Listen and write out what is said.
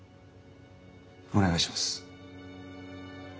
お願いします。